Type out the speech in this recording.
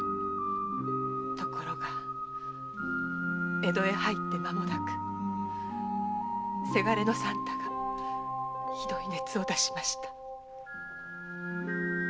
ところが江戸へ入って間もなくせがれの三太がひどい熱を出しました。